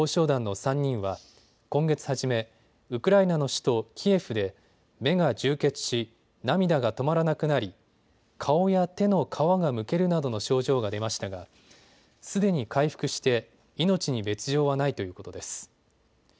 団の３人は今月初め、ウクライナの首都キエフで目が充血し涙が止まらなくなり顔や手の皮がむけるなどの症状が出ましたがすでに回復して命に別状はないということです。